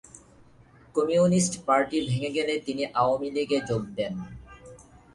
Communist party ভেঙে গেলে তিনি আওয়ামী লীগে যোগ দেন।